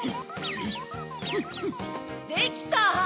できた！